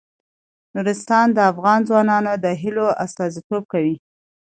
نورستان د افغان ځوانانو د هیلو استازیتوب کوي.